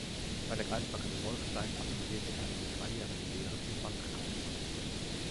Bei der Kreissparkasse Wolfstein absolvierte er eine dreijährige Lehre zum Bankkaufmann.